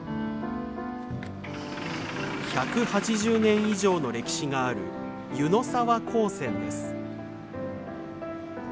１８０年以上の歴史がある湯の澤鉱泉です。